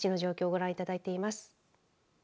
ご覧いただいています。